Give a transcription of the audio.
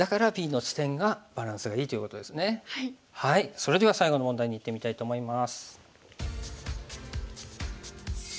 それでは最後の問題にいってみたいと思います。